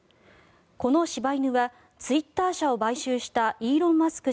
この柴犬はツイッター社を買収したイーロン・マスク